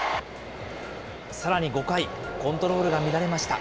さらに５回、コントロールが乱れました。